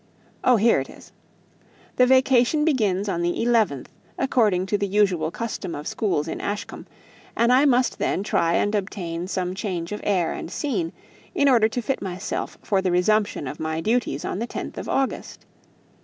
Oh, here it is! 'The vacation begins on the 11th, according to the usual custom of schools in Ashcombe; and I must then try and obtain some change of air and scene, in order to fit myself for the resumption of my duties on the 10th of August.'